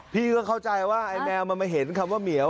พี่ก็เข้าใจว่าไอ้แมวมันมาเห็นคำว่าเหมียว